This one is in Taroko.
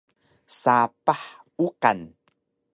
Sapah uqan